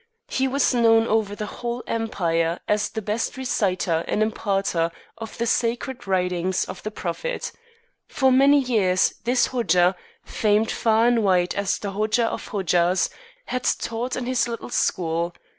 He was known over the whole Empire as the best reciter and imparter of the Sacred Writings of the Prophet. For many years this Hodja, famed far and wide as the Hodja of Hodjas, had taught in this little school.